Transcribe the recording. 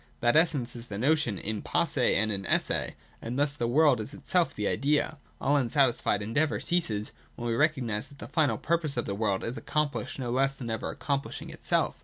That essence is the notion in posse and in esse : and thus the world is itself the idea. All unsatisfied endeavour ceases, when we recognise that the final purpose of the world is accomplished no less than ever accomplishing itself.